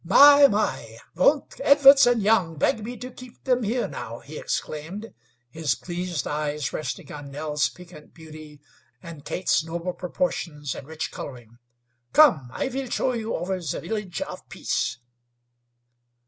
"My! My! Won't Edwards and Young beg me to keep them here now!" he exclaimed, his pleased eyes resting on Nell's piquant beauty and Kate's noble proportions and rich coloring. "Come; I will show you over the Village of Peace."